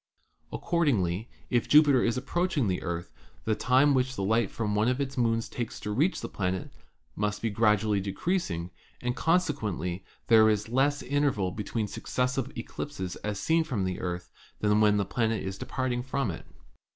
198 ASTRONOMY Accordingly, if Jupiter is approaching the Earth, the time which the light from one of his moons takes to reach this planet must be gradually decreasing, and consequently there is less interval between successive eclipses as seen from the Earth than when the great planet is departing^ from it.